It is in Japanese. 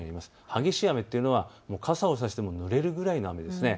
激しい雨というのは傘を差してもぬれるくらいの雨です。